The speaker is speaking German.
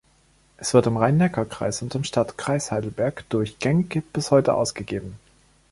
Es wird im Rhein-Neckar-Kreis und im Stadtkreis Heidelberg durchgängig bis heute ausgegeben.